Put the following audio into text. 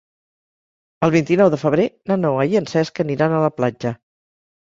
El vint-i-nou de febrer na Noa i en Cesc aniran a la platja.